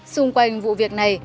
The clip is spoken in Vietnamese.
xung quanh vụ việc này